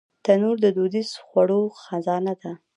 تنور د دودیزو خوړو خزانه ده